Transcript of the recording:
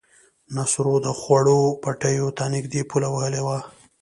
نصرو د خوړ پټيو ته نږدې پوله وهلې وه.